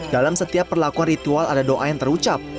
dalam setiap perlakuan ritual ada doa yang terucap